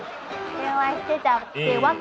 電話してたってわけ。